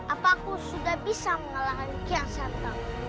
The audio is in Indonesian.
apakah aku sudah bisa mengalahkan kiyasanta